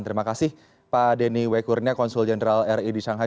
terima kasih pak denny wekurnia konsul jenderal ri di shanghai